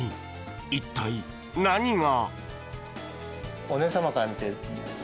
一体、何が。